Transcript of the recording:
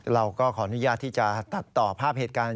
เราก็ขออนุญาตที่จะตัดต่อภาพเหตุการณ์